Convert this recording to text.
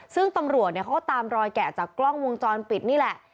ซึ่งตำรวจเขาก็ตามรอยแกะจากกล้องวงจรปิดนี่แหละ